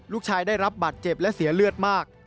ลูกชายได้รับบัตรเจ็บและเสียเลือดมาก